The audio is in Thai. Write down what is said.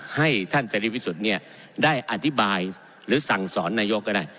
ให้ท่านเสรีพิสุทธิ์เนี่ยได้อธิบายหรือสั่งสอนนายกก็ได้